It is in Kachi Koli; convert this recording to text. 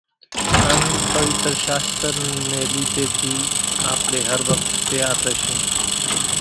ان پويتر شاستر ني لِيڌي ٿي آپڙي ھر وقت تيار رشون